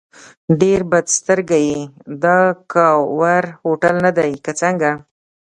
ډېر بد سترګی یې، دا کاوور هوټل نه دی که څنګه؟